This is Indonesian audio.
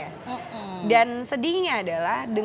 aku jadi masalah eksplorasi di doa labwil